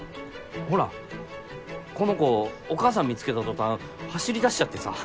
ほらこの子お母さん見つけた途端走り出しちゃってさ。